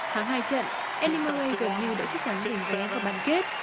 tháng hai trận annie murray gần như đã chắc chắn giành vé vào bàn kết